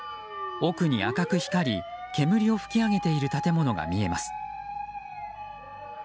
奥に赤く光り、煙を噴き上げている建物が見えます。